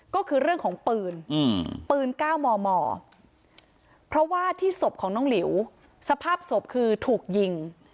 ก็คือเรื่องของปืนปืน๙มมเพราะว่าที่ศพของน้องหลิวสภาพศพคือถูกยิง